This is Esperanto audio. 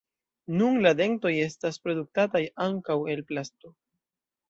Nun la dentoj estas produktataj ankaŭ el plasto.